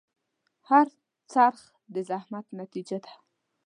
هر خرڅ د زحمت نتیجه ده.